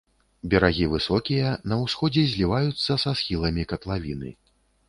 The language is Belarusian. Берагі высокія, на ўсходзе зліваюцца са схіламі катлавіны.